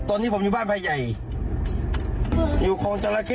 โอ้โฮ